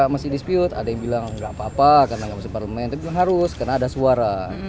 masih dispute ada yang bilang enggak apa apa karena harus parlemen harus karena ada suara